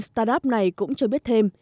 startup này cũng cho biết thêm